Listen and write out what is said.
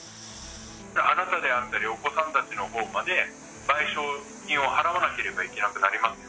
あなたであったり、お子さんたちのほうまで賠償費を払わなければいけなくなりますよ。